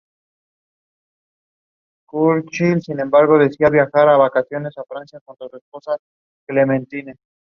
En Berlín, Kiel terminó siendo reclamado como instructor.